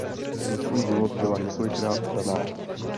Za svůj život byla několikrát vdaná.